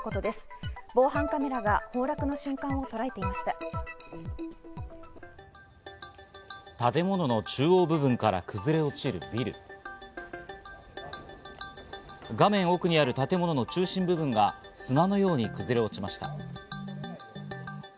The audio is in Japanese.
画面を奥にある建物の中心部分が砂のように崩れ落ちました。